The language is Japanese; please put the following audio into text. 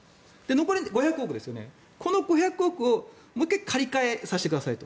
残り５００億をもう１回借り換えさせてくださいと。